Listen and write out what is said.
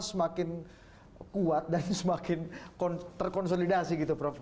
semakin kuat dan semakin terkonsolidasi